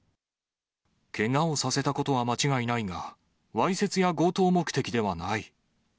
けがをさせたことは間違いないが、わいせつや強盗目的ではない。